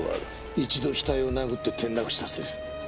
一度額を殴って転落死させる。